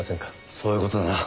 そういう事だな。